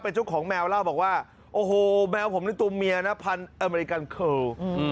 เป็นเจ้าของแมวเล่าบอกว่าโอ้โหแมวผมนี่ตัวเมียนะพันธุ์อเมริกันเคิล